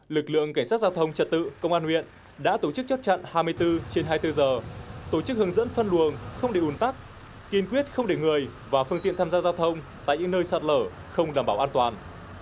lực lượng cảnh sát giao thông trật tự công an huyện đã tổ chức chốt chặn hai mươi bốn trên hai mươi bốn giờ tổ chức hướng dẫn phân luồng không để ủn tắc kiên quyết không để người và phương tiện tham gia giao thông tại những nơi sạt lở không đảm bảo an toàn